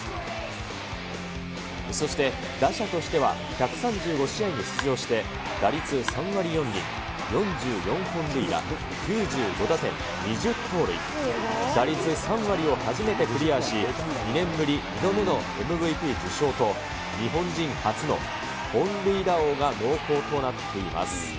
そして、打者としては１３５試合に出場して、打率３割４厘、４４本塁打、９５打点、２０盗塁、打率３割を初めてクリアし、２年ぶり２度目のＭＶＰ受賞と、日本人初の本塁打王が濃厚となっています。